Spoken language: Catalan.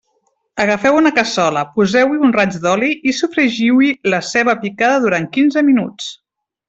Agafeu una cassola, poseu-hi un raig d'oli i sofregiu-hi la ceba picada durant quinze minuts.